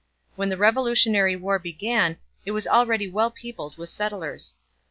When the Revolutionary War began it was already well peopled with settlers.